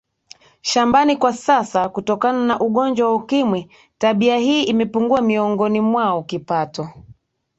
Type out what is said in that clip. shambani Kwa sasa kutokana na ugonjwa wa ukimwi tabia hii imepungua miongoni mwaoKipato